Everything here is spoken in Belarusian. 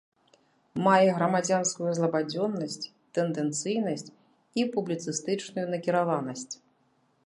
Мае грамадзянскую злабадзённасць, тэндэнцыйнасць і публіцыстычную накіраванасць.